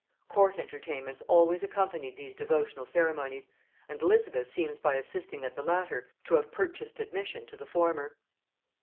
Court entertainments always accompanied these devotional ceremonies, and Elizabeth seems by assisting at the latter to have purchased admission to the former.